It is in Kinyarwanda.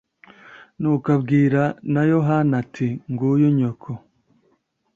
Nuko abwira na Yohana ati: «nguyu nyoko.»